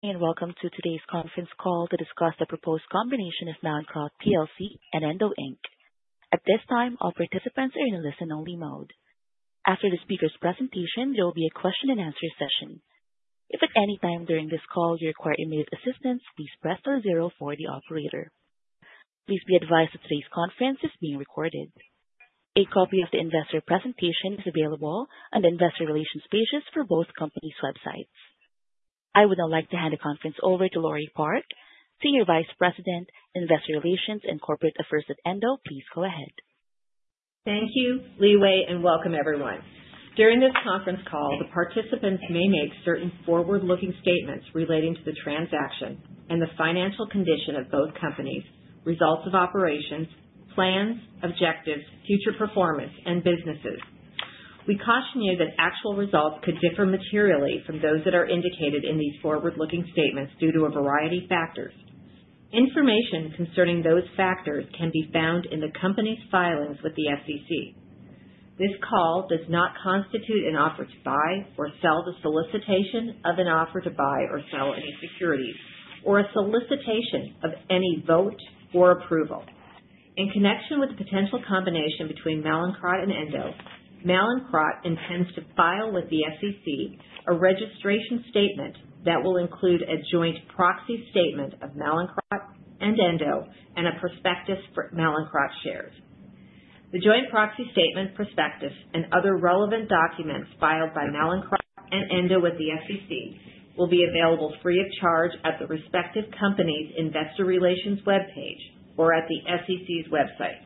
Welcome to today's conference call to discuss the proposed combination of Mallinckrodt PLC and Endo, Inc. At this time, all participants are in a listen-only mode. After the speaker's presentation, there will be a question-and-answer session. If at any time during this call you require immediate assistance, please press star zero for the operator. Please be advised that today's conference is being recorded. A copy of the investor presentation is available on the investor relations pages for both companies' websites. I would now like to hand the conference over to Laure Park, Senior Vice President, Investor Relations and Corporate Affairs at Endo. Please go ahead. Thank you, Liwei, and welcome everyone. During this conference call, the participants may make certain forward-looking statements relating to the transaction and the financial condition of both companies, results of operations, plans, objectives, future performance, and businesses. We caution you that actual results could differ materially from those that are indicated in these forward-looking statements due to a variety of factors. Information concerning those factors can be found in the company's filings with the SEC. This call does not constitute an offer to buy or sell the solicitation of an offer to buy or sell any securities or a solicitation of any vote or approval. In connection with the potential combination between Mallinckrodt and Endo, Mallinckrodt intends to file with the SEC a registration statement that will include a joint proxy statement of Mallinckrodt and Endo and a prospectus for Mallinckrodt shares. The joint proxy statement, prospectus, and other relevant documents filed by Mallinckrodt and Endo with the SEC will be available free of charge at the respective company's Investor Relations webpage or at the SEC's website.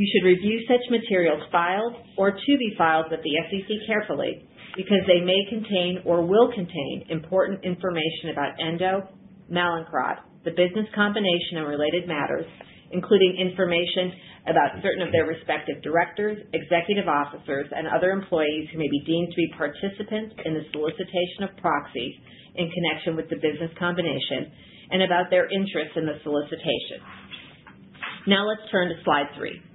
You should review such materials filed or to be filed with the SEC carefully because they may contain or will contain important information about Endo, Mallinckrodt, the business combination and related matters, including information about certain of their respective directors, executive officers, and other employees who may be deemed to be participants in the solicitation of proxies in connection with the business combination and about their interest in the solicitation. Now let's turn to Slide 3.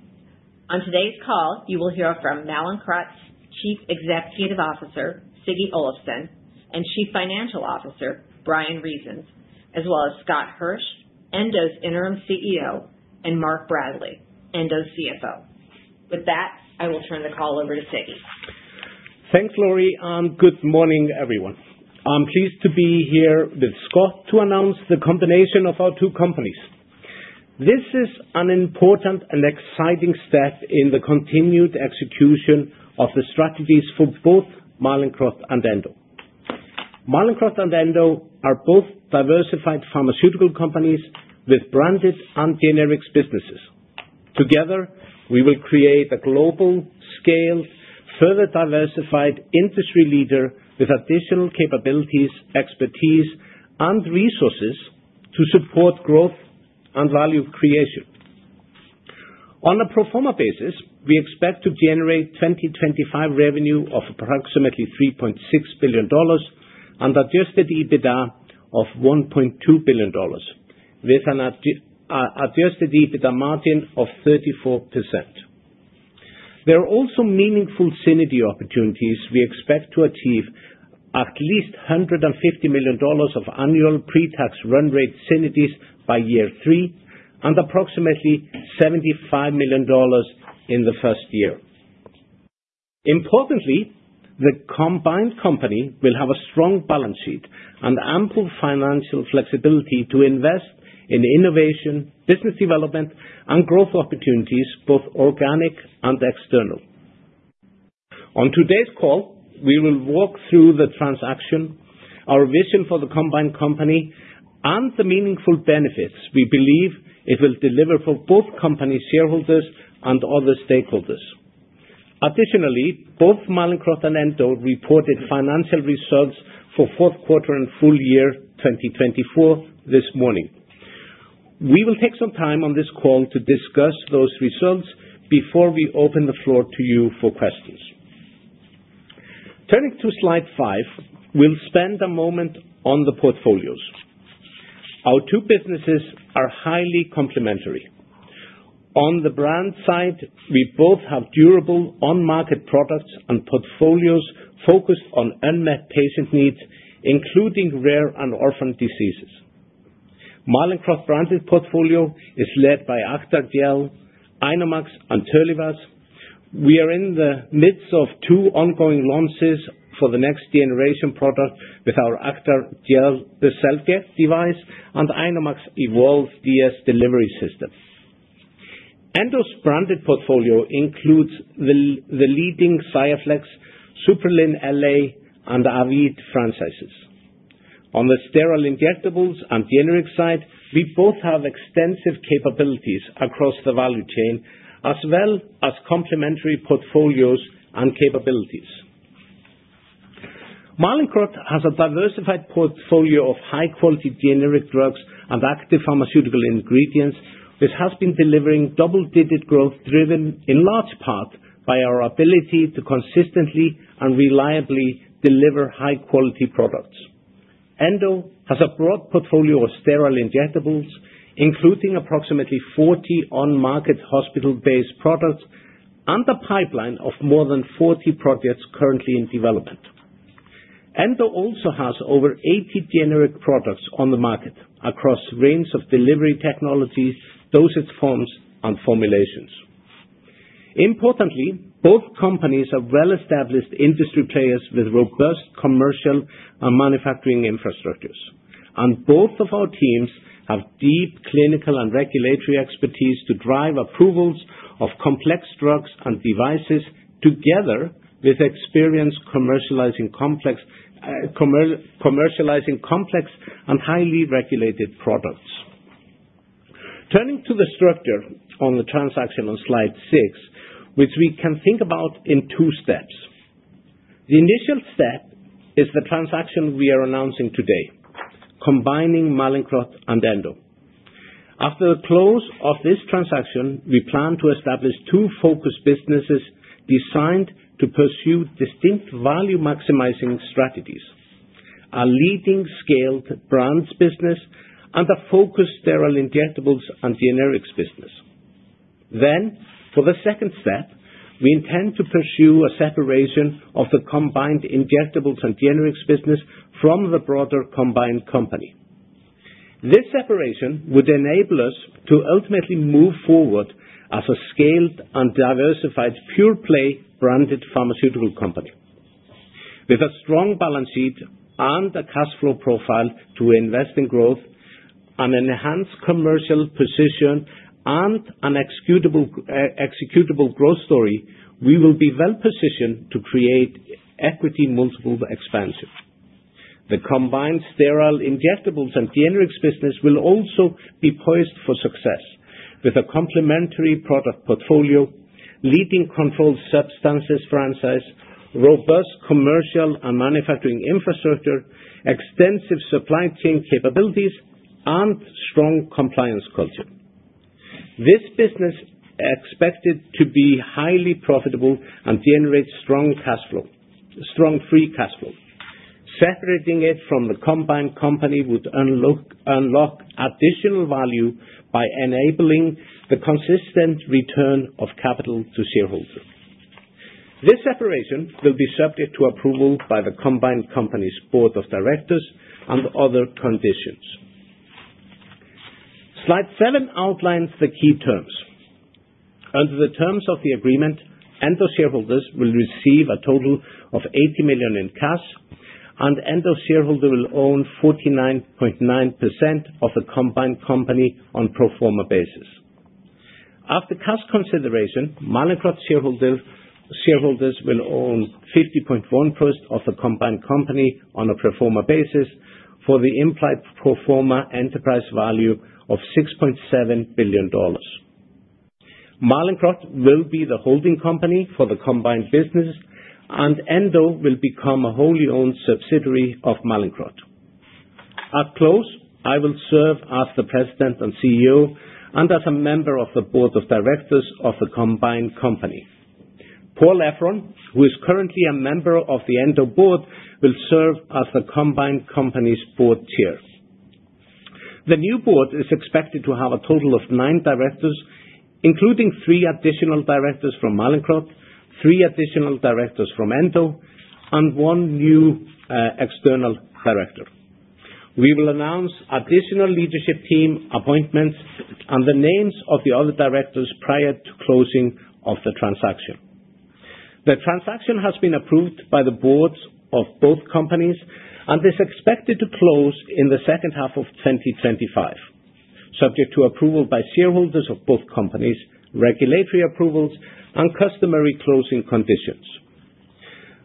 On today's call, you will hear from Mallinckrodt's Chief Executive Officer, Siggi Olafsson, and Chief Financial Officer, Bryan Reasons, as well as Scott Hirsch, Endo's interim CEO, and Mark Bradley, Endo's CFO. With that, I will turn the call over to Siggi. Thanks, Laure. Good morning, everyone. I'm pleased to be here with Scott to announce the combination of our two companies. This is an important and exciting step in the continued execution of the strategies for both Mallinckrodt and Endo. Mallinckrodt and Endo are both diversified pharmaceutical companies with branded and generic businesses. Together, we will create a global-scale, further diversified industry leader with additional capabilities, expertise, and resources to support growth and value creation. On a pro forma basis, we expect to generate 2025 revenue of approximately $3.6 billion and Adjusted EBITDA of $1.2 billion, with an Adjusted EBITDA margin of 34%. There are also meaningful synergy opportunities. We expect to achieve at least $150 million of annual pre-tax run rate synergies by year three and approximately $75 million in the first year. Importantly, the combined company will have a strong balance sheet and ample financial flexibility to invest in innovation, business development, and growth opportunities, both organic and external. On today's call, we will walk through the transaction, our vision for the combined company, and the meaningful benefits we believe it will deliver for both company shareholders and other stakeholders. Additionally, both Mallinckrodt and Endo reported financial results for fourth quarter and full year 2024 this morning. We will take some time on this call to discuss those results before we open the floor to you for questions. Turning to Slide 5, we'll spend a moment on the portfolios. Our two businesses are highly complementary. On the brand side, we both have durable on-market products and portfolios focused on unmet patient needs, including rare and orphan diseases. Mallinckrodt's branded portfolio is led by Acthar Gel, INOmax, and Terlivaz. We are in the midst of two ongoing launches for the next generation product with our Acthar Gel SelfJect device and INOmax EVOLVE DS Delivery System. Endo's branded portfolio includes the leading XIAFLEX, SUPPRELIN LA, and AVEED franchises. On the sterile injectables and generic side, we both have extensive capabilities across the value chain, as well as complementary portfolios and capabilities. Mallinckrodt has a diversified portfolio of high-quality generic drugs and active pharmaceutical ingredients, which has been delivering double-digit growth driven in large part by our ability to consistently and reliably deliver high-quality products. Endo has a broad portfolio of sterile injectables, including approximately 40 on-market hospital-based products and a pipeline of more than 40 projects currently in development. Endo also has over 80 generic products on the market across a range of delivery technologies, dosage forms, and formulations. Importantly, both companies are well-established industry players with robust commercial and manufacturing infrastructures, and both of our teams have deep clinical and regulatory expertise to drive approvals of complex drugs and devices together with experience commercializing complex and highly regulated products. Turning to the structure on the transaction on Slide 6, which we can think about in two steps. The initial step is the transaction we are announcing today, combining Mallinckrodt and Endo. After the close of this transaction, we plan to establish two focus businesses designed to pursue distinct value-maximizing strategies: a leading scaled brands business and a focused sterile injectables and generics business. For the second step, we intend to pursue a separation of the combined injectables and generics business from the broader combined company. This separation would enable us to ultimately move forward as a scaled and diversified pure-play branded pharmaceutical company. With a strong balance sheet and a cash flow profile to invest in growth and enhance commercial position and an executable growth story, we will be well-positioned to create equity multiple expansion. The combined sterile injectables and generics business will also be poised for success with a complementary product portfolio, leading controlled substances franchise, robust commercial and manufacturing infrastructure, extensive supply chain capabilities, and strong compliance culture. This business is expected to be highly profitable and generate strong free cash flow. Separating it from the combined company would unlock additional value by enabling the consistent return of capital to shareholders. This separation will be subject to approval by the combined company's Board of Directors and other conditions. Slide 7 outlines the key terms. Under the terms of the agreement, Endo shareholders will receive a total of $80 million in cash, and Endo shareholders will own 49.9% of the combined company on a pro forma basis. After cash consideration, Mallinckrodt shareholders will own 50.1% of the combined company on a pro forma basis for the implied pro forma enterprise value of $6.7 billion. Mallinckrodt will be the holding company for the combined business, and Endo will become a wholly owned subsidiary of Mallinckrodt. At close, I will serve as the President and CEO and as a member of the Board of Directors of the combined company. Paul Efron, who is currently a member of the Endo Board, will serve as the combined company's Board Chair. The new Board is expected to have a total of nine directors, including three additional directors from Mallinckrodt, three additional directors from Endo, and one new external director. We will announce additional leadership team appointments and the names of the other directors prior to closing of the transaction. The transaction has been approved by the Boards of both companies and is expected to close in the second half of 2025, subject to approval by shareholders of both companies, regulatory approvals, and customary closing conditions.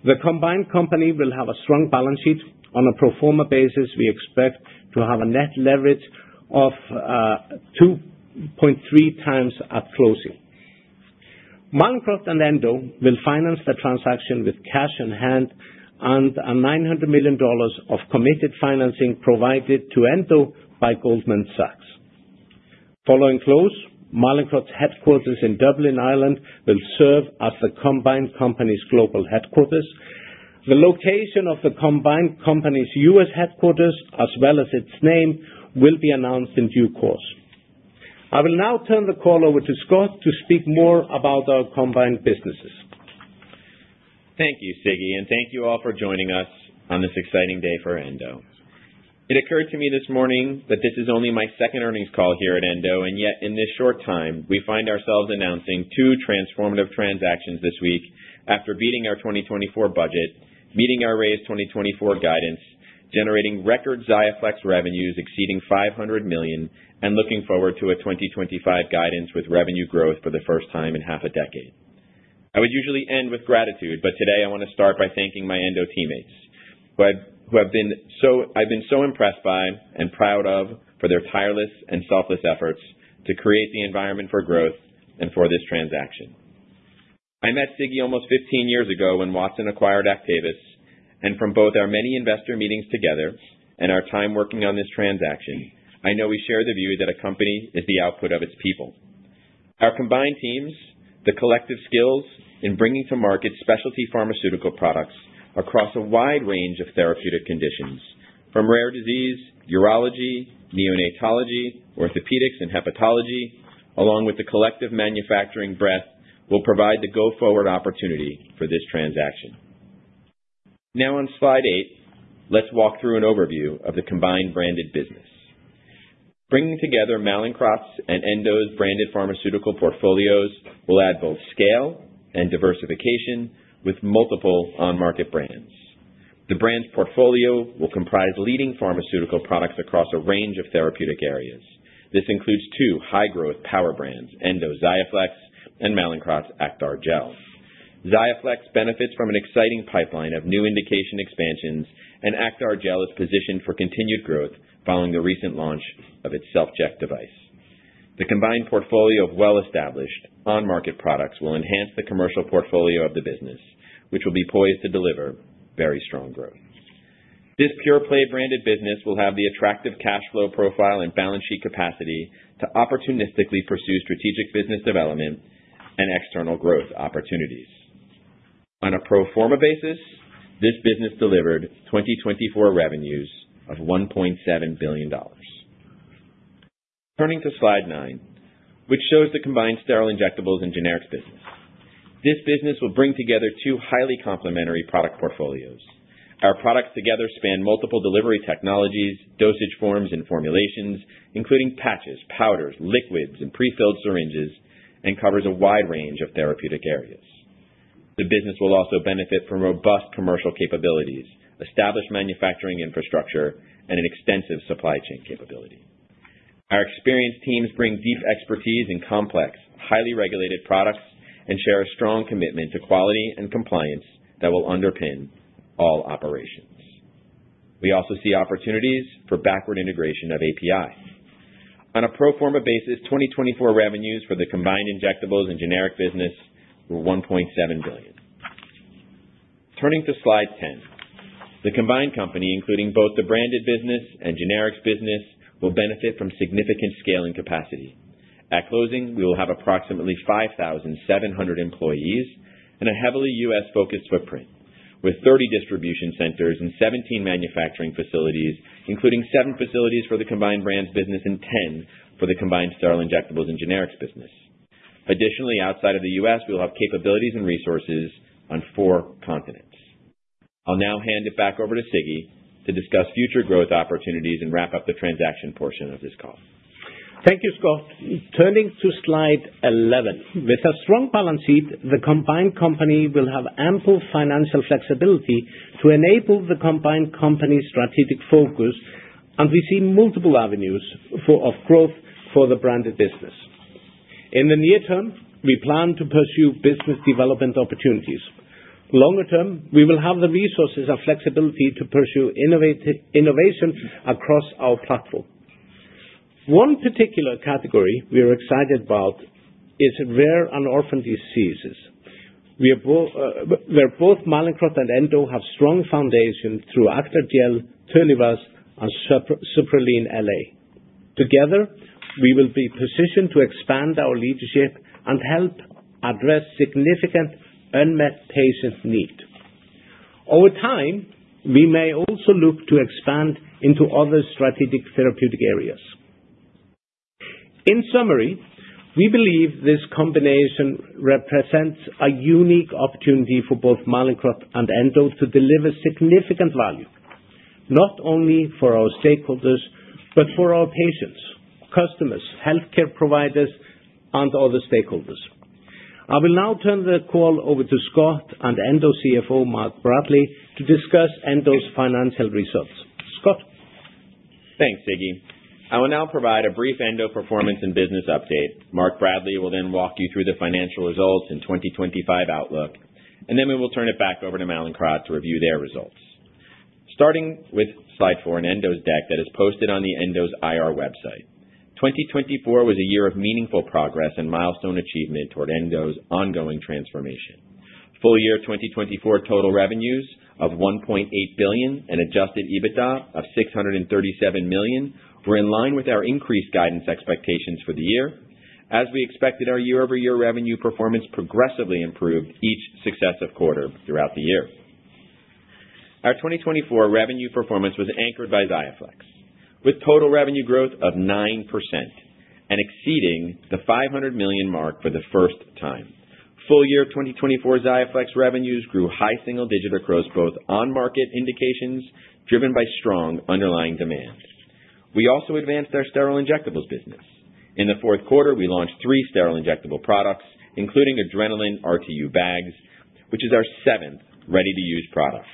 The combined company will have a strong balance sheet on a pro forma basis. We expect to have a net leverage of 2.3 times at closing. Mallinckrodt and Endo will finance the transaction with cash in hand and $900 million of committed financing provided to Endo by Goldman Sachs. Following close, Mallinckrodt's headquarters in Dublin, Ireland, will serve as the combined company's global headquarters. The location of the combined company's U.S. headquarters, as well as its name, will be announced in due course. I will now turn the call over to Scott to speak more about our combined businesses. Thank you, Siggi, and thank you all for joining us on this exciting day for Endo. It occurred to me this morning that this is only my second earnings call here at Endo, and yet in this short time, we find ourselves announcing two transformative transactions this week after beating our 2024 budget, meeting our raised 2024 guidance, generating record XIAFLEX revenues exceeding $500 million, and looking forward to a 2025 guidance with revenue growth for the first time in half a decade. I would usually end with gratitude, but today I want to start by thanking my Endo teammates who I've been so impressed by and proud of for their tireless and selfless efforts to create the environment for growth and for this transaction. I met Siggi almost 15 years ago when Watson acquired Actavis, and from both our many investor meetings together and our time working on this transaction, I know we share the view that a company is the output of its people. Our combined teams, the collective skills in bringing to market specialty pharmaceutical products across a wide range of therapeutic conditions from rare disease, urology, neonatology, orthopedics, and hepatology, along with the collective manufacturing breadth, will provide the go-forward opportunity for this transaction. Now on Slide 8, let's walk through an overview of the combined branded business. Bringing together Mallinckrodt's and Endo's branded pharmaceutical portfolios will add both scale and diversification with multiple on-market brands. The brands portfolio will comprise leading pharmaceutical products across a range of therapeutic areas. This includes two high-growth power brands, Endo XIAFLEX and Mallinckrodt's Acthar Gel. XIAFLEX benefits from an exciting pipeline of new indication expansions, and Acthar Gel is positioned for continued growth following the recent launch of its SelfJect device The combined portfolio of well-established on-market products will enhance the commercial portfolio of the business, which will be poised to deliver very strong growth. This pure-play branded business will have the attractive cash flow profile and balance sheet capacity to opportunistically pursue strategic business development and external growth opportunities. On a pro forma basis, this business delivered 2024 revenues of $1.7 billion. Turning to Slide 9, which shows the combined sterile injectables and generics business. This business will bring together two highly complementary product portfolios. Our products together span multiple delivery technologies, dosage forms, and formulations, including patches, powders, liquids, and prefilled syringes, and covers a wide range of therapeutic areas. The business will also benefit from robust commercial capabilities, established manufacturing infrastructure, and an extensive supply chain capability. Our experienced teams bring deep expertise in complex, highly regulated products and share a strong commitment to quality and compliance that will underpin all operations. We also see opportunities for backward integration of API. On a pro forma basis, 2024 revenues for the combined injectables and generic business were $1.7 billion. Turning to Slide 10, the combined company, including both the branded business and generics business, will benefit from significant scaling capacity. At closing, we will have approximately 5,700 employees and a heavily US-focused footprint, with 30 distribution centers and 17 manufacturing facilities, including seven facilities for the combined brands business and 10 for the combined sterile injectables and generics business. Additionally, outside of the U.S., we will have capabilities and resources on four continents. I'll now hand it back over to Siggi to discuss future growth opportunities and wrap up the transaction portion of this call. Thank you, Scott. Turning to Slide 11, with a strong balance sheet, the combined company will have ample financial flexibility to enable the combined company's strategic focus, and we see multiple avenues of growth for the branded business. In the near term, we plan to pursue business development opportunities. Longer term, we will have the resources and flexibility to pursue innovation across our platform. One particular category we are excited about is rare and orphan diseases. Where both Mallinckrodt and Endo have strong foundations through Acthar Gel, Terlivaz, and SUPPRELIN LA, together, we will be positioned to expand our leadership and help address significant unmet patient needs. Over time, we may also look to expand into other strategic therapeutic areas. In summary, we believe this combination represents a unique opportunity for both Mallinckrodt and Endo to deliver significant value, not only for our stakeholders, but for our patients, customers, healthcare providers, and other stakeholders. I will now turn the call over to Scott and Endo CFO, Mark Bradley, to discuss Endo's financial results. Scott. Thanks, Siggi. I will now provide a brief Endo performance and business update. Mark Bradley will then walk you through the financial results and 2025 outlook, and then we will turn it back over to Mallinckrodt to review their results. Starting with Slide 4 in Endo's deck that is posted on Endo's IR website. 2024 was a year of meaningful progress and milestone achievement toward Endo's ongoing transformation. Full year 2024 total revenues of $1.8 billion and Adjusted EBITDA of $637 million were in line with our increased guidance expectations for the year. As we expected, our year-over-year revenue performance progressively improved each successive quarter throughout the year. Our 2024 revenue performance was anchored by XIAFLEX, with total revenue growth of 9% and exceeding the $500 million mark for the first time. Full year 2024 XIAFLEX revenues grew high single-digit across both on-market indications driven by strong underlying demand. We also advanced our sterile injectables business. In the fourth quarter, we launched three sterile injectable products, including Adrenalin RTU bags, which is our seventh ready-to-use product.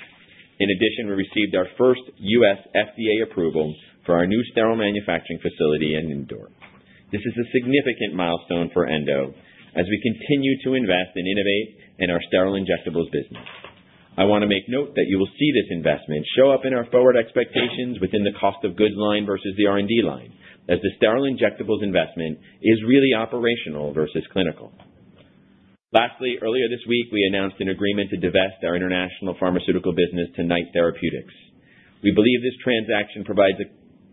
In addition, we received our first U.S. FDA approval for our new sterile manufacturing facility in Indore. This is a significant milestone for Endo as we continue to invest and innovate in our sterile injectables business. I want to make note that you will see this investment show up in our forward expectations within the cost of goods line versus the R&D line, as the sterile injectables investment is really operational versus clinical. Lastly, earlier this week, we announced an agreement to divest our international pharmaceutical business to Knight Therapeutics. We believe this transaction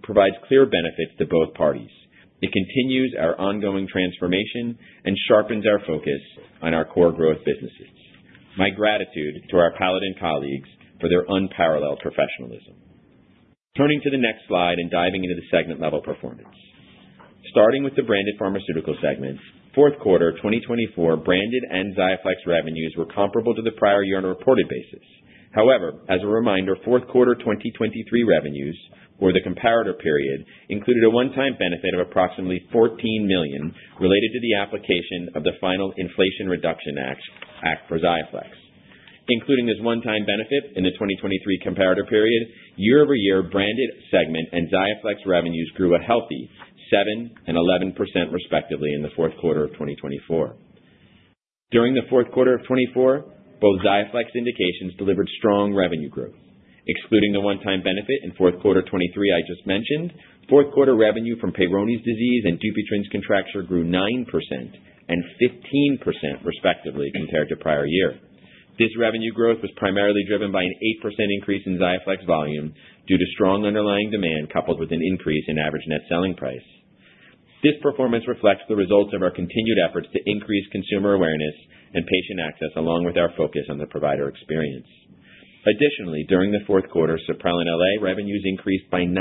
provides clear benefits to both parties. It continues our ongoing transformation and sharpens our focus on our core growth businesses. My gratitude to our Paladin colleagues for their unparalleled professionalism. Turning to the next slide and diving into the segment-level performance. Starting with the branded pharmaceutical segment, fourth quarter 2024 branded and XIAFLEX revenues were comparable to the prior year on a reported basis. However, as a reminder, fourth quarter 2023 revenues for the comparator period included a one-time benefit of approximately $14 million related to the application of the final Inflation Reduction Act for XIAFLEX. Including this one-time benefit in the 2023 comparator period, year-over-year branded segment and XIAFLEX revenues grew a healthy 7% and 11% respectively in the fourth quarter of 2024. During the fourth quarter of 2024, both XIAFLEX indications delivered strong revenue growth. Excluding the one-time benefit in fourth quarter 2023 I just mentioned, fourth quarter revenue from Peyronie's disease and Dupuytren's contracture grew 9% and 15% respectively compared to prior year. This revenue growth was primarily driven by an 8% increase in XIAFLEX volume due to strong underlying demand coupled with an increase in average net selling price. This performance reflects the results of our continued efforts to increase consumer awareness and patient access, along with our focus on the provider experience. Additionally, during the fourth quarter, SUPPRELIN LA revenues increased by 9%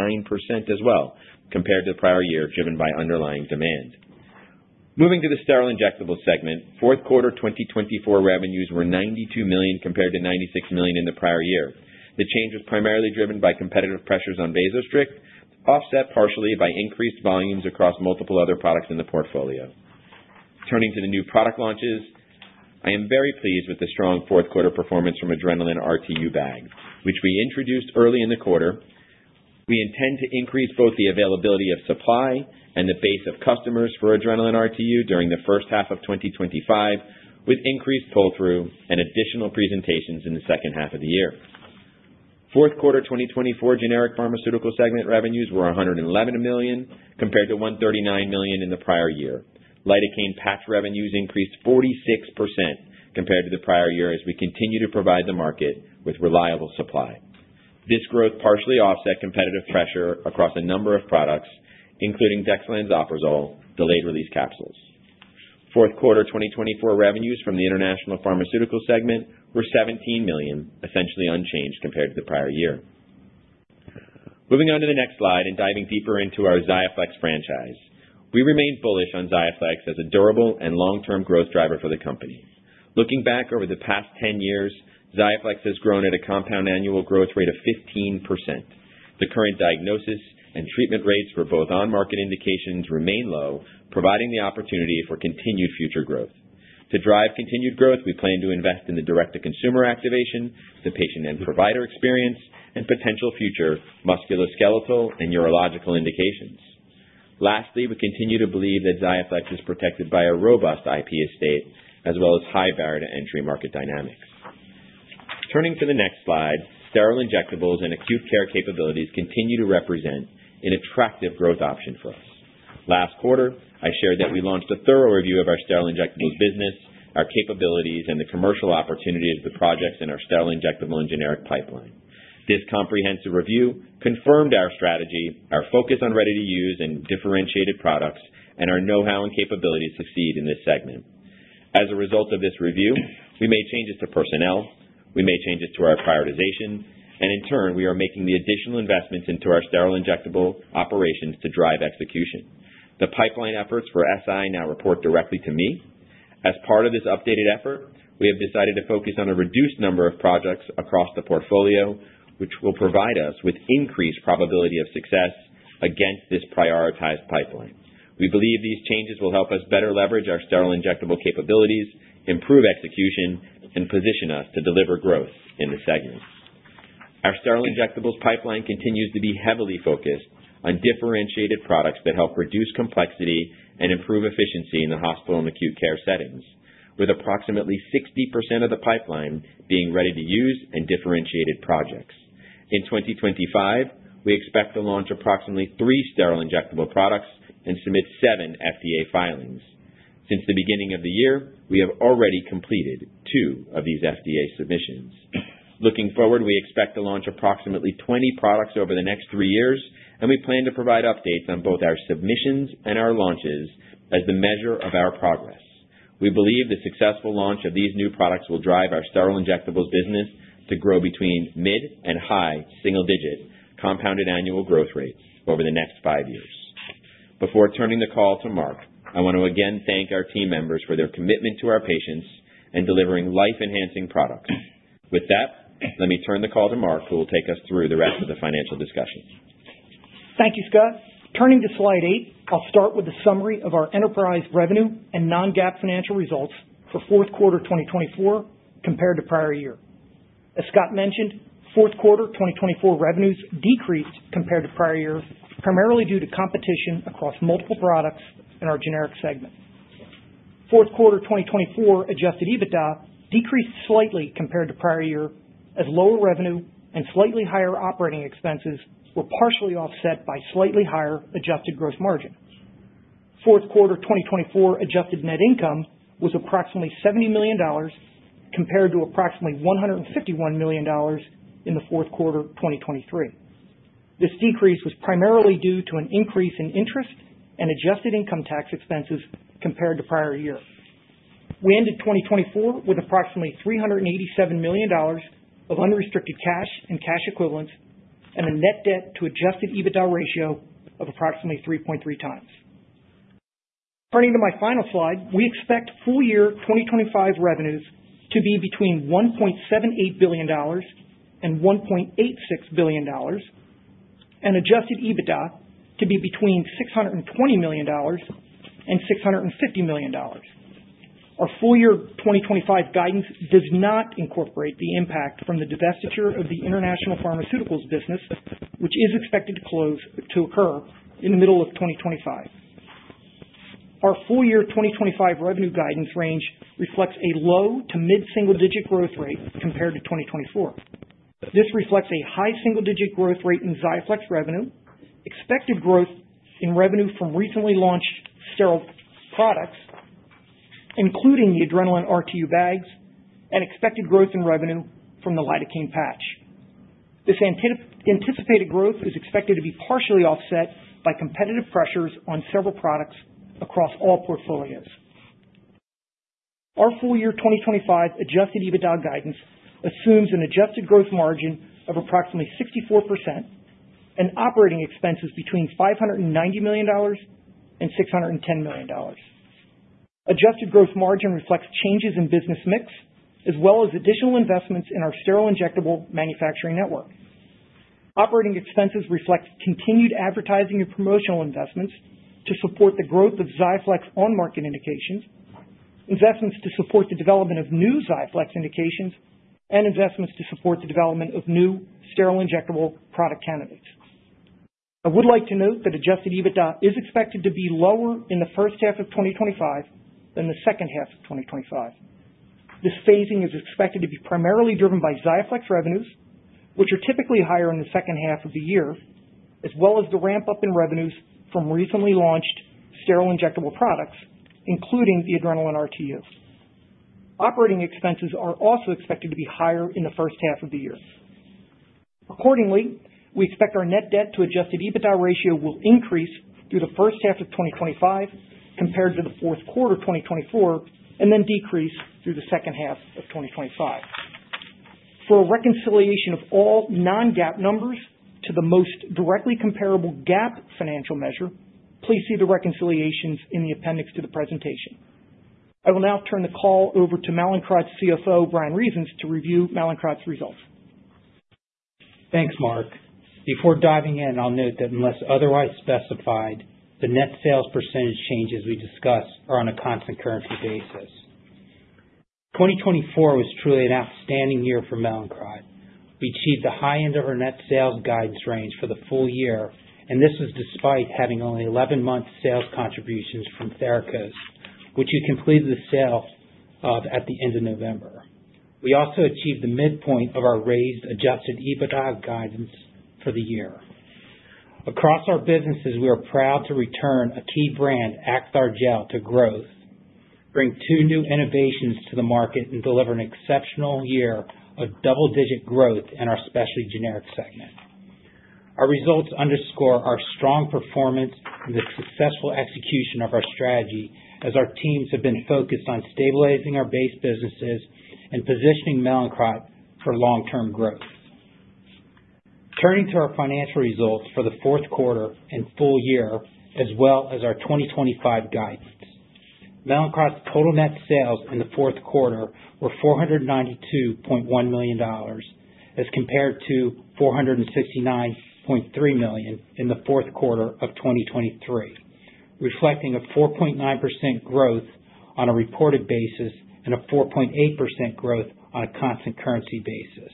as well compared to the prior year, driven by underlying demand. Moving to the sterile injectable segment, fourth quarter 2024 revenues were $92 million compared to $96 million in the prior year. The change was primarily driven by competitive pressures on Vasostrict, offset partially by increased volumes across multiple other products in the portfolio. Turning to the new product launches, I am very pleased with the strong fourth quarter performance from Adrenalin RTU bags, which we introduced early in the quarter. We intend to increase both the availability of supply and the base of customers for Adrenalin RTU during the first half of 2025, with increased pull-through and additional presentations in the second half of the year. Fourth quarter 2024 generic pharmaceutical segment revenues were $111 million compared to $139 million in the prior year. Lidocaine patch revenues increased 46% compared to the prior year as we continue to provide the market with reliable supply. This growth partially offset competitive pressure across a number of products, including dexlansoprazole delayed-release capsules. Fourth quarter 2024 revenues from the international pharmaceutical segment were $17 million, essentially unchanged compared to the prior year. Moving on to the next slide and diving deeper into our XIAFLEX franchise, we remain bullish on XIAFLEX as a durable and long-term growth driver for the company. Looking back over the past 10 years, XIAFLEX has grown at a compound annual growth rate of 15%. The current diagnosis and treatment rates for both on-market indications remain low, providing the opportunity for continued future growth. To drive continued growth, we plan to invest in the direct-to-consumer activation, the patient and provider experience, and potential future musculoskeletal and urological indications. Lastly, we continue to believe that XIAFLEX is protected by a robust IP estate as well as high barrier-to-entry market dynamics. Turning to the next slide, sterile injectables and acute care capabilities continue to represent an attractive growth option for us. Last quarter, I shared that we launched a thorough review of our sterile injectable business, our capabilities, and the commercial opportunity of the projects in our sterile injectable and generic pipeline. This comprehensive review confirmed our strategy, our focus on ready-to-use and differentiated products, and our know-how and capability to succeed in this segment. As a result of this review, we made changes to personnel, we made changes to our prioritization, and in turn, we are making the additional investments into our sterile injectable operations to drive execution. The pipeline efforts for SI now report directly to me. As part of this updated effort, we have decided to focus on a reduced number of projects across the portfolio, which will provide us with increased probability of success against this prioritized pipeline. We believe these changes will help us better leverage our sterile injectable capabilities, improve execution, and position us to deliver growth in the segment. Our sterile injectables pipeline continues to be heavily focused on differentiated products that help reduce complexity and improve efficiency in the hospital and acute care settings, with approximately 60% of the pipeline being ready-to-use and differentiated projects. In 2025, we expect to launch approximately three sterile injectable products and submit seven FDA filings. Since the beginning of the year, we have already completed two of these FDA submissions. Looking forward, we expect to launch approximately 20 products over the next three years, and we plan to provide updates on both our submissions and our launches as the measure of our progress. We believe the successful launch of these new products will drive our sterile injectables business to grow between mid and high single-digit compounded annual growth rates over the next five years. Before turning the call to Mark, I want to again thank our team members for their commitment to our patients and delivering life-enhancing products. With that, let me turn the call to Mark, who will take us through the rest of the financial discussion. Thank you, Scott. Turning to Slide 8, I'll start with a summary of our enterprise revenue and non-GAAP financial results for fourth quarter 2024 compared to prior year. As Scott mentioned, fourth quarter 2024 revenues decreased compared to prior years, primarily due to competition across multiple products in our generic segment. Fourth quarter 2024 Adjusted EBITDA decreased slightly compared to prior year as lower revenue and slightly higher operating expenses were partially offset by slightly higher adjusted gross margin. Fourth quarter 2024 adjusted net income was approximately $70 million compared to approximately $151 million in the fourth quarter 2023. This decrease was primarily due to an increase in interest and adjusted income tax expenses compared to prior year. We ended 2024 with approximately $387 million of unrestricted cash and cash equivalents and a net debt to Adjusted EBITDA ratio of approximately 3.3 times. Turning to my final slide, we expect full year 2025 revenues to be between $1.78 billion and $1.86 billion, and Adjusted EBITDA to be between $620 million and $650 million. Our full year 2025 guidance does not incorporate the impact from the divestiture of the international pharmaceuticals business, which is expected to occur in the middle of 2025. Our full year 2025 revenue guidance range reflects a low to mid-single-digit growth rate compared to 2024. This reflects a high single-digit growth rate in XIAFLEX revenue, expected growth in revenue from recently launched sterile products, including the Adrenalin RTU bags, and expected growth in revenue from the lidocaine patch. This anticipated growth is expected to be partially offset by competitive pressures on several products across all portfolios. Our full year 2025 Adjusted EBITDA guidance assumes an adjusted gross margin of approximately 64% and operating expenses between $590 million and $610 million. Adjusted gross margin reflects changes in business mix as well as additional investments in our sterile injectable manufacturing network. Operating expenses reflect continued advertising and promotional investments to support the growth of XIAFLEX on-market indications, investments to support the development of new XIAFLEX indications, and investments to support the development of new sterile injectable product candidates. I would like to note that Adjusted EBITDA is expected to be lower in the first half of 2025 than the second half of 2025. This phasing is expected to be primarily driven by XIAFLEX revenues, which are typically higher in the second half of the year, as well as the ramp-up in revenues from recently launched sterile injectable products, including the Adrenalin RTU bags. Operating expenses are also expected to be higher in the first half of the year. Accordingly, we expect our net debt to Adjusted EBITDA ratio will increase through the first half of 2025 compared to the fourth quarter 2024, and then decrease through the second half of 2025. For a reconciliation of all non-GAAP numbers to the most directly comparable GAAP financial measure, please see the reconciliations in the appendix to the presentation. I will now turn the call over to Mallinckrodt Chief Financial Officer, Bryan Reasons, to review Mallinckrodt's results. Thanks, Mark. Before diving in, I'll note that unless otherwise specified, the net sales percentage changes we discussed are on a constant currency basis. 2024 was truly an outstanding year for Mallinckrodt. We achieved the high end of our net sales guidance range for the full year, and this was despite having only 11-month sales contributions from Therakos, which we completed the sale of at the end of November. We also achieved the midpoint of our raised Adjusted EBITDA guidance for the year. Across our businesses, we are proud to return a key brand, Acthar Gel, to growth, bring two new innovations to the market, and deliver an exceptional year of double-digit growth in our specialty generic segment. Our results underscore our strong performance and the successful execution of our strategy as our teams have been focused on stabilizing our base businesses and positioning Mallinckrodt for long-term growth. Turning to our financial results for the fourth quarter and full year, as well as our 2025 guidance, Mallinckrodt's total net sales in the fourth quarter were $492.1 million as compared to $469.3 million in the fourth quarter of 2023, reflecting a 4.9% growth on a reported basis and a 4.8% growth on a constant currency basis.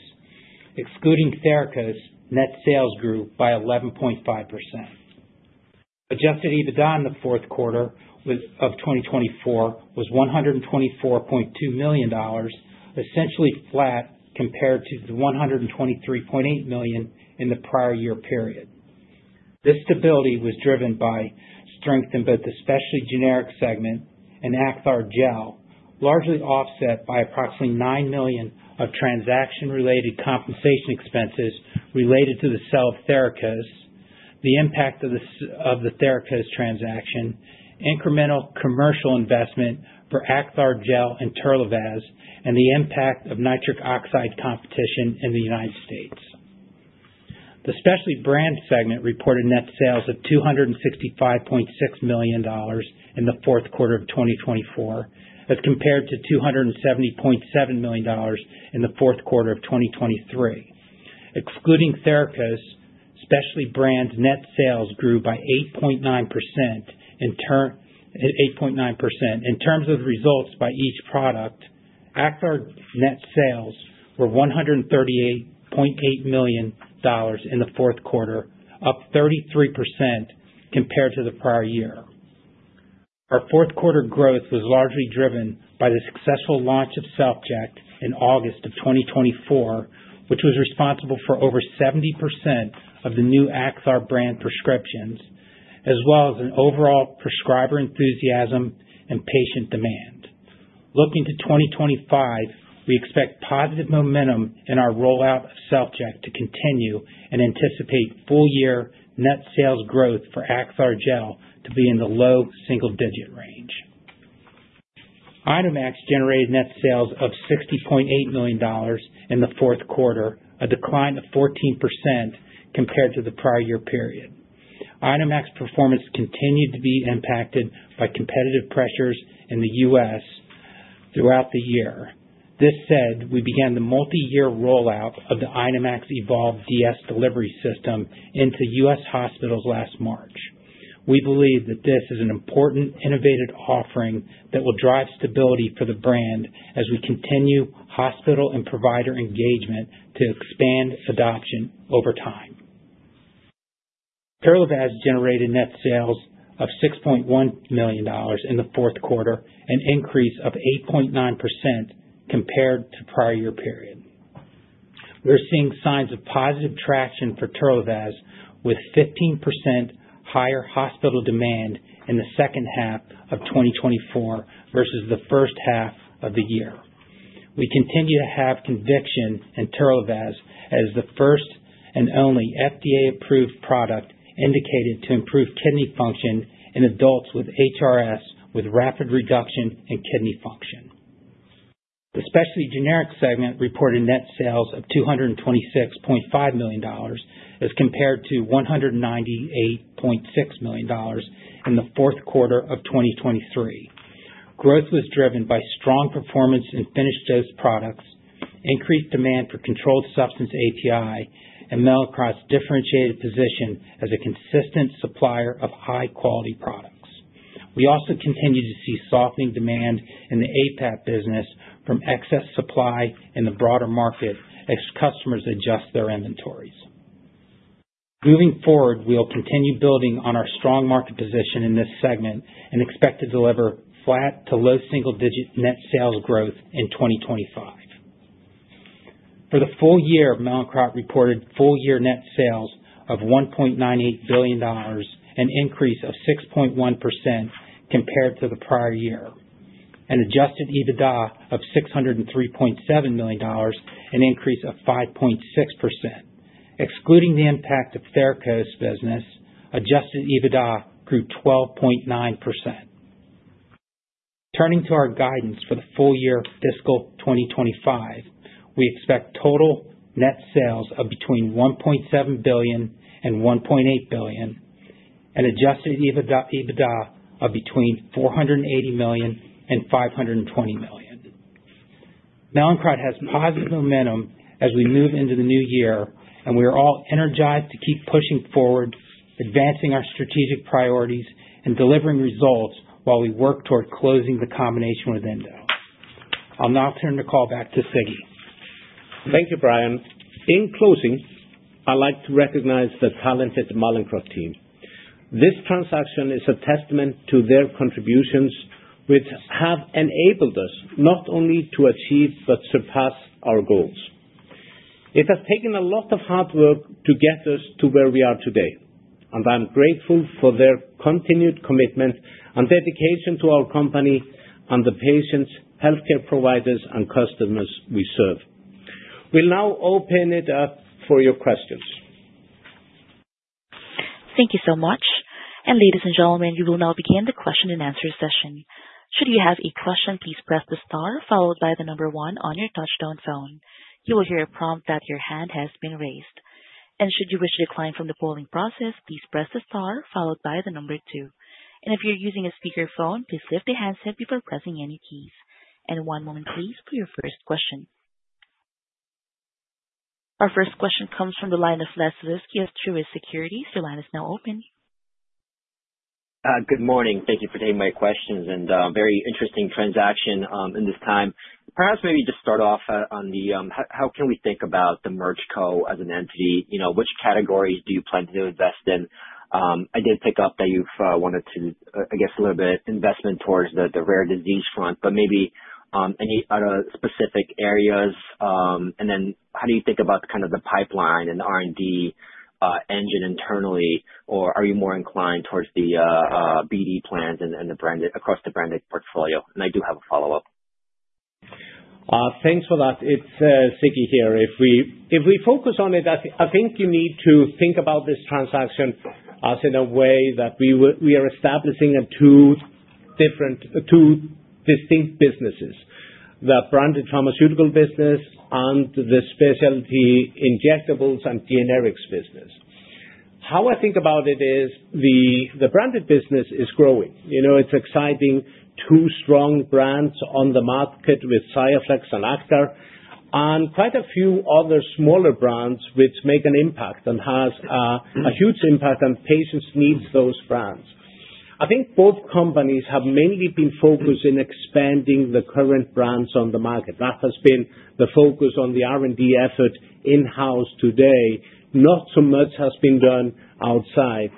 Excluding Therakos, net sales grew by 11.5%. Adjusted EBITDA in the fourth quarter of 2024 was $124.2 million, essentially flat compared to the $123.8 million in the prior year period. This stability was driven by strength in both the specialty generic segment and Acthar Gel, largely offset by approximately $9 million of transaction-related compensation expenses related to the sale of Therakos, the impact of the Therakos transaction, incremental commercial investment for Acthar Gel and Terlivaz, and the impact of nitric oxide competition in the United States. The specialty brand segment reported net sales of $265.6 million in the fourth quarter of 2024 as compared to $270.7 million in the fourth quarter of 2023. Excluding Therakos, specialty brand net sales grew by 8.9%. In terms of results by each product, Acthar's net sales were $138.8 million in the fourth quarter, up 33% compared to the prior year. Our fourth quarter growth was largely driven by the successful launch of SelfJect in August of 2024, which was responsible for over 70% of the new Acthar brand prescriptions, as well as an overall prescriber enthusiasm and patient demand. Looking to 2025, we expect positive momentum in our rollout of SelfJect to continue and anticipate full year net sales growth for Acthar Gel to be in the low single-digit range. INOmax generated net sales of $60.8 million in the fourth quarter, a decline of 14% compared to the prior year period. INOmax performance continued to be impacted by competitive pressures in the U.S. throughout the year. This said, we began the multi-year rollout of the INOmax EVOLVE DS Delivery System into U.S. hospitals last March. We believe that this is an important innovative offering that will drive stability for the brand as we continue hospital and provider engagement to expand adoption over time. Terlivaz generated net sales of $6.1 million in the fourth quarter, an increase of 8.9% compared to prior year period. We're seeing signs of positive traction for Terlivaz, with 15% higher hospital demand in the second half of 2024 versus the first half of the year. We continue to have conviction in Terlivaz as the first and only FDA-approved product indicated to improve kidney function in adults with HRS with rapid reduction in kidney function. The specialty generic segment reported net sales of $226.5 million as compared to $198.6 million in the fourth quarter of 2023. Growth was driven by strong performance in finished dose products, increased demand for controlled substance API, and Mallinckrodt's differentiated position as a consistent supplier of high-quality products. We also continue to see softening demand in the APAP business from excess supply in the broader market as customers adjust their inventories. Moving forward, we will continue building on our strong market position in this segment and expect to deliver flat to low single-digit net sales growth in 2025. For the full year, Mallinckrodt reported full year net sales of $1.98 billion, an increase of 6.1% compared to the prior year, and adjusted EBITDA of $603.7 million, an increase of 5.6%. Excluding the impact of Therakos business, Adjusted EBITDA grew 12.9%. Turning to our guidance for the full year fiscal 2025, we expect total net sales of between $1.7 billion and $1.8 billion, and Adjusted EBITDA of between $480 million and $520 million. Mallinckrodt has positive momentum as we move into the New Year, and we are all energized to keep pushing forward, advancing our strategic priorities, and delivering results while we work toward closing the combination with Endo. I'll now turn the call back to Siggi. Thank you, Bryan. In closing, I'd like to recognize the talented Mallinckrodt team. This transaction is a testament to their contributions, which have enabled us not only to achieve but surpass our goals. It has taken a lot of hard work to get us to where we are today, and I'm grateful for their continued commitment and dedication to our company and the patients, healthcare providers, and customers we serve. We'll now open it up for your questions. Thank you so much. Ladies and gentlemen, you will now begin the question and answer session. Should you have a question, please press the star followed by the number one on your touch-tone phone. You will hear a prompt that your hand has been raised. Should you wish to decline from the polling process, please press the star followed by the number two. If you are using a speakerphone, please lift the handset before pressing any keys. One moment, please, for your first question. Our first question comes from the line of Les Sulewski of Truist Securities. Your line is now open. Good morning. Thank you for taking my questions. Very interesting transaction in this time. Perhaps maybe just start off on the how can we think about the MergeCo as an entity? Which categories do you plan to invest in? I did pick up that you've wanted to, I guess, a little bit investment towards the rare disease front, but maybe any other specific areas? How do you think about kind of the pipeline and the R&D engine internally, or are you more inclined towards the BD plans and across the branded portfolio? I do have a follow-up. Thanks for that. It's Siggi here. If we focus on it, I think you need to think about this transaction as in a way that we are establishing two distinct businesses: the branded pharmaceutical business and the specialty injectables and generics business. How I think about it is the branded business is growing. It's exciting to see strong brands on the market with XIAFLEX and Acthar and quite a few other smaller brands which make an impact and have a huge impact on patients' needs, those brands. I think both companies have mainly been focused in expanding the current brands on the market. That has been the focus on the R&D effort in-house today. Not so much has been done outside.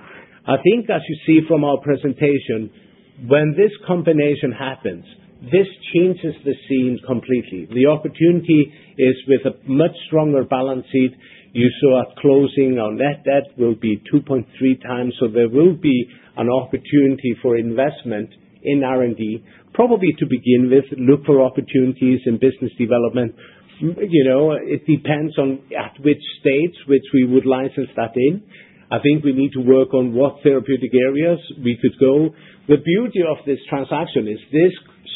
I think, as you see from our presentation, when this combination happens, this changes the scene completely. The opportunity is with a much stronger balance sheet. You saw at closing, our net debt will be 2.3 times, so there will be an opportunity for investment in R&D. Probably to begin with, look for opportunities in business development. It depends on at which states which we would license that in. I think we need to work on what therapeutic areas we could go. The beauty of this transaction is this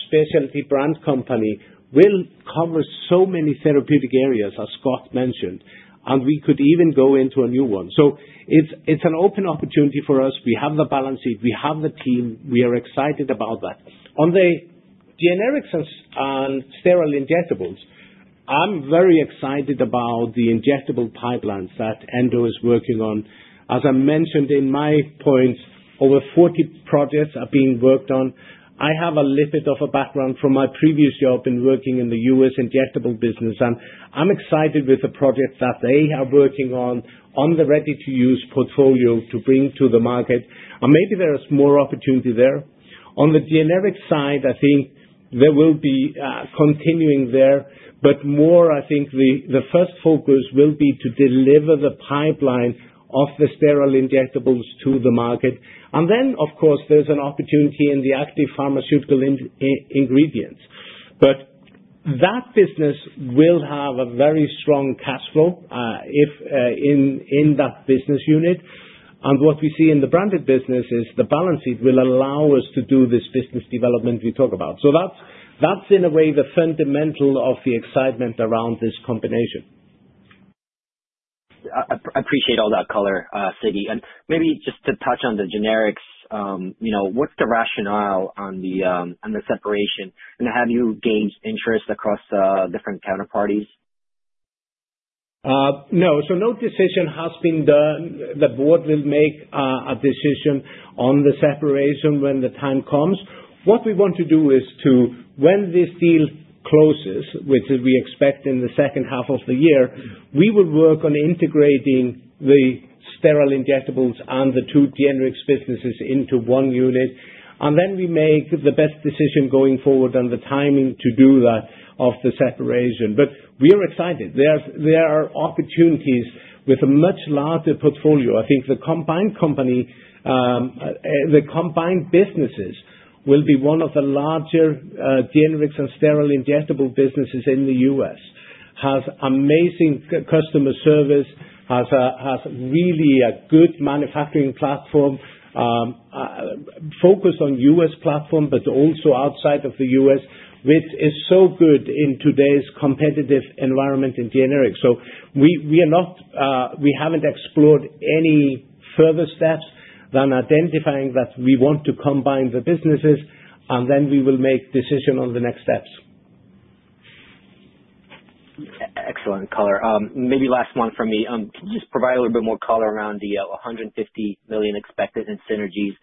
specialty brand company will cover so many therapeutic areas, as Scott mentioned, and we could even go into a new one. It is an open opportunity for us. We have the balance sheet. We have the team. We are excited about that. On the generics and sterile injectables, I'm very excited about the injectable pipelines that Endo is working on. As I mentioned in my points, over 40 projects are being worked on. I have a little bit of a background from my previous job in working in the U.S. injectable business, and I'm excited with the projects that they are working on, on the ready-to-use portfolio to bring to the market. Maybe there is more opportunity there. On the generic side, I think there will be continuing there, but more, I think the first focus will be to deliver the pipeline of the sterile injectables to the market. Of course, there is an opportunity in the active pharmaceutical ingredients. That business will have a very strong cash flow in that business unit. What we see in the branded business is the balance sheet will allow us to do this business development we talk about. That is, in a way, the fundamental of the excitement around this combination. I appreciate all that color, Siggi. Maybe just to touch on the generics, what's the rationale on the separation? Have you gained interest across different counterparties? No. No decision has been done. The Board will make a decision on the separation when the time comes. What we want to do is, when this deal closes, which we expect in the second half of the year, we will work on integrating the sterile injectables and the two generics businesses into one unit. We make the best decision going forward on the timing to do that of the separation. We are excited. There are opportunities with a much larger portfolio. I think the combined company, the combined businesses, will be one of the larger generics and sterile injectable businesses in the U.S. Has amazing customer service, has really a good manufacturing platform focused on U.S. platform, but also outside of the U.S., which is so good in today's competitive environment in generics. We haven't explored any further steps than identifying that we want to combine the businesses, and then we will make decision on the next steps. Excellent color. Maybe last one from me. Can you just provide a little bit more color around the $150 million expected in synergies?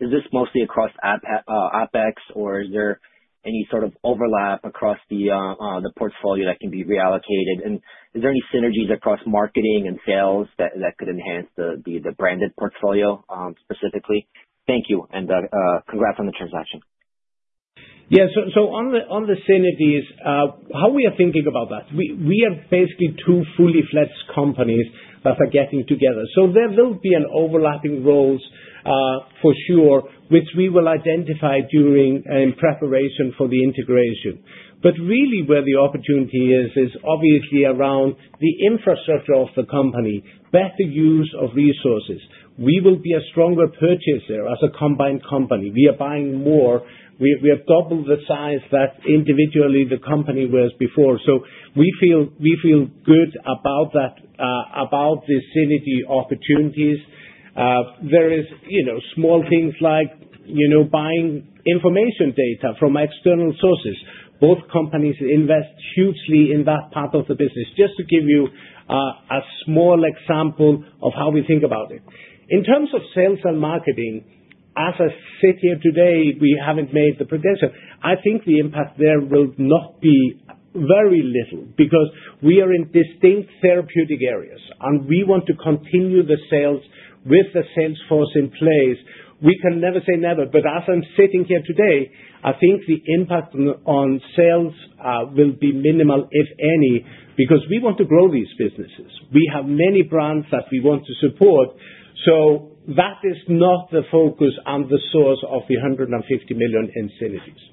Is this mostly across OpEx, or is there any sort of overlap across the portfolio that can be reallocated? Is there any synergies across marketing and sales that could enhance the branded portfolio specifically? Thank you. Congrats on the transaction. Yeah. On the synergies, how we are thinking about that, we have basically two fully-fledged companies that are getting together. There will be an overlapping role for sure, which we will identify during in preparation for the integration. Really, where the opportunity is, is obviously around the infrastructure of the company, better use of resources. We will be a stronger purchaser as a combined company. We are buying more. We have doubled the size that individually the company was before. We feel good about the synergy opportunities. There are small things like buying information data from external sources. Both companies invest hugely in that part of the business. Just to give you a small example of how we think about it. In terms of sales and marketing, as I sit here today, we have not made the prediction. I think the impact there will not be very little because we are in distinct therapeutic areas, and we want to continue the sales with the sales force in place. We can never say never, but as I'm sitting here today, I think the impact on sales will be minimal, if any, because we want to grow these businesses. We have many brands that we want to support. That is not the focus and the source of the $150 million in synergies.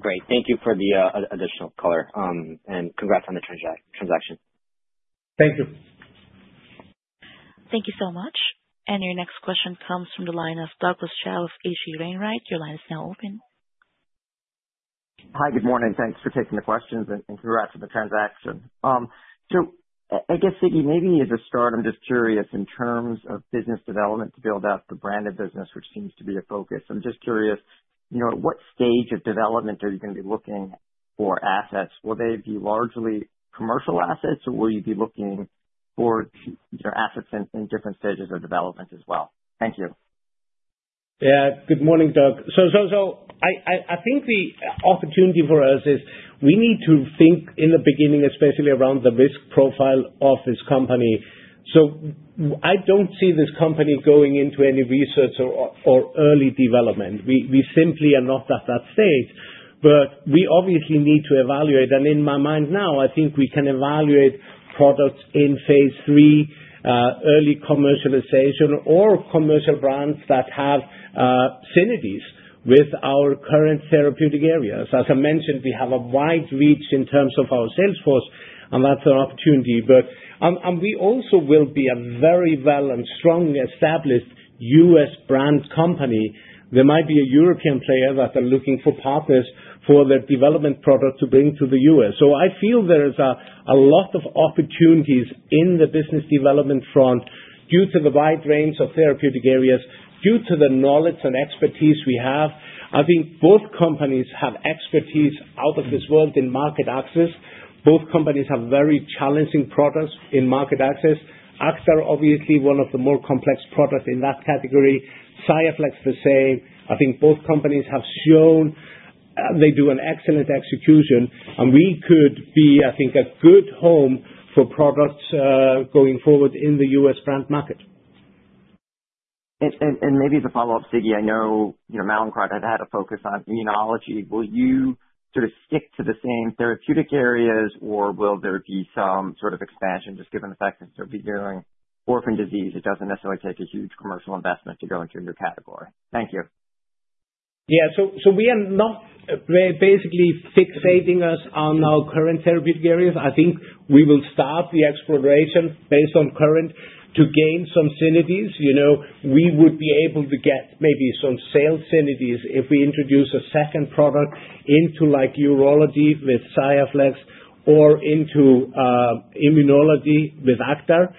Great. Thank you for the additional color. Congrats on the transaction. Thank you. Thank you so much. Your next question comes from the line of Douglas Tsao with H.C. Wainwright. Your line is now open. Hi, good morning. Thanks for taking the questions and congrats on the transaction. I guess, Siggi, maybe as a start, I'm just curious in terms of business development to build out the branded business, which seems to be a focus. I'm just curious, at what stage of development are you going to be looking for assets? Will they be largely commercial assets, or will you be looking for assets in different stages of development as well? Thank you. Yeah. Good morning, Doug. I think the opportunity for us is we need to think in the beginning, especially around the risk profile of this company. I don't see this company going into any research or early development. We simply are not at that stage, but we obviously need to evaluate. In my mind now, I think we can evaluate products in phase three, early commercialization, or commercial brands that have synergies with our current therapeutic areas. As I mentioned, we have a wide reach in terms of our salesforce, and that's an opportunity. We also will be a very well and strong established U.S. brand company. There might be a European player that they're looking for partners for the development product to bring to the U.S. I feel there is a lot of opportunities in the business development front due to the wide range of therapeutic areas, due to the knowledge and expertise we have. I think both companies have expertise out of this world in market access. Both companies have very challenging products in market access. Acthar is obviously one of the more complex products in that category. XIAFLEX, the same. I think both companies have shown they do an excellent execution, and we could be, I think, a good home for products going forward in the U.S. brand market. Maybe as a follow-up, Siggi, I know Mallinckrodt had had a focus on immunology. Will you sort of stick to the same therapeutic areas, or will there be some sort of expansion just given the fact that you'll be dealing with orphan disease? It doesn't necessarily take a huge commercial investment to go into a new category. Thank you. Yeah. We are not basically fixating us on our current therapeutic areas. I think we will start the exploration based on current to gain some synergies. We would be able to get maybe some sales synergies if we introduce a second product into urology with XIAFLEX or into immunology with Acthar.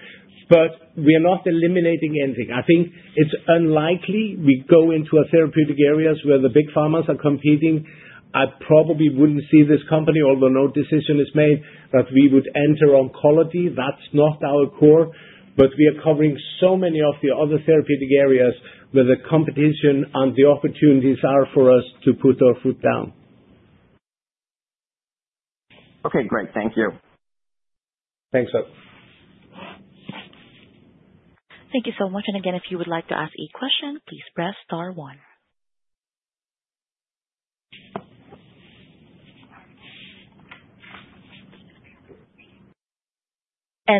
We are not eliminating anything. I think it's unlikely we go into therapeutic areas where the big pharmas are competing. I probably wouldn't see this company, although no decision is made, that we would enter oncology. That's not our core, but we are covering so many of the other therapeutic areas where the competition and the opportunities are for us to put our foot down. Okay. Great. Thank you. Thanks, Doug. Thank you so much. If you would like to ask a question, please press star one.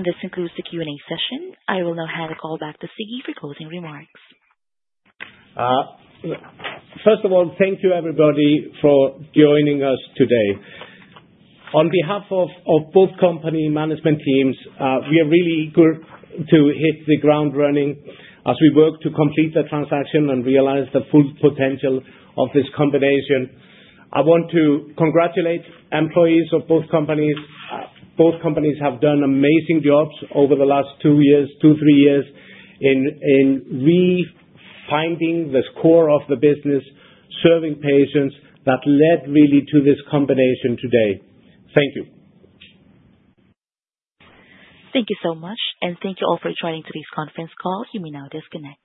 This concludes the Q&A session. I will now hand the call back to Siggi for closing remarks. First of all, thank you, everybody, for joining us today. On behalf of both company management teams, we are really good to hit the ground running as we work to complete the transaction and realize the full potential of this combination. I want to congratulate employees of both companies. Both companies have done amazing jobs over the last two or three years in refinding the core of the business, serving patients that led really to this combination today. Thank you. Thank you so much. Thank you all for joining today's conference call. You may now disconnect.